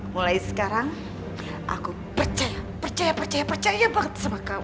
mulai sekarang aku percaya percaya banget sama kamu